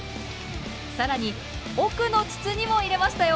更に奥の筒にも入れましたよ。